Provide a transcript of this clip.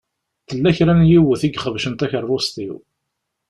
Tella kra n yiwet i ixebcen takeṛṛust-iw.